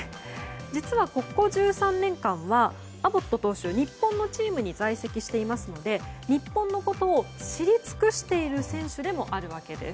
実はここ１３年間はアボット投手、日本のチームに在籍していますので日本のことを知り尽くしている選手でもあるわけです。